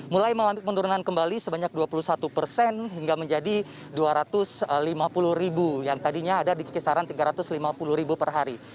mulai penurunan kembali sebanyak dua puluh satu persen hingga menjadi dua ratus lima puluh ribu yang tadinya ada di kisaran tiga ratus lima puluh ribu per hari